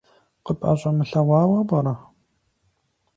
КъыпӀэщӀэмылъэгъуауэ пӀэрэ?